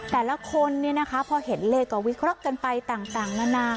แต่ละคนพอเห็นเลขก็วิเคราะห์กันไปต่างนานา